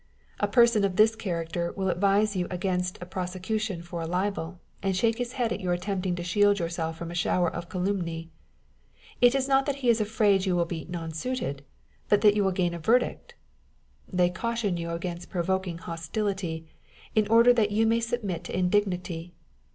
A person of this character will advise you against a prosecution for a libel, and shake his head at your attempting to shield yourself from a shower of calumny. It is not that he is afraid you will be nonsuited, but that you will gain a verdict! They caution you against provoking hostility, in order that you may submit to indignity.